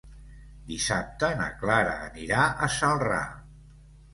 Dissabte na Clara anirà a Celrà.